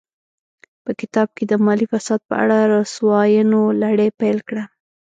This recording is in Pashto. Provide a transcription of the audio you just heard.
په کتاب کې د مالي فساد په اړه رسواینو لړۍ پیل کړه.